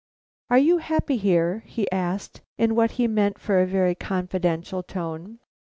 "Are you happy here?" he asked, in what he meant for a very confidential tone.